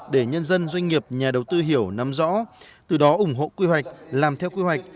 để nhân dân doanh nghiệp nhà đầu tư hiểu nắm rõ từ đó ủng hộ quy hoạch làm theo quy hoạch